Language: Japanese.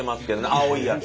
青いやつ。